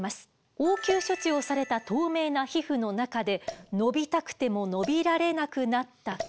応急処置をされた透明な皮膚の中で伸びたくても伸びられなくなった毛